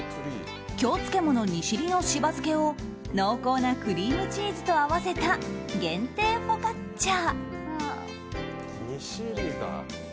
京つけもの西利のしば漬けを濃厚なクリームチーズと合わせた限定フォカッチャ。